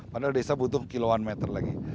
padahal desa butuh kiloan meter lagi